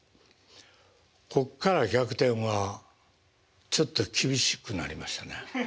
こっから逆転はちょっと厳しくなりましたね。